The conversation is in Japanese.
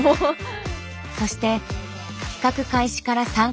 そして企画開始から３か月。